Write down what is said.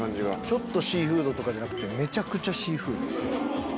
ちょっとシーフードとかじゃなくてめちゃくちゃシーフード。